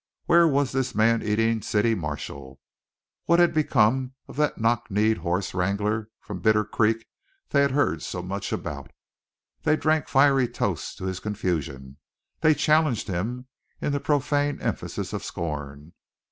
Where was this man eating city marshal? What had become of that knock kneed horse wrangler from Bitter Creek they had heard so much about? They drank fiery toasts to his confusion, they challenged him in the profane emphasis of scorn.